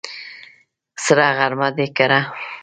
سره غرمه دې کړه!